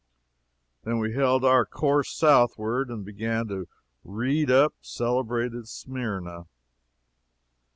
Then we held our course southward, and began to "read up" celebrated Smyrna.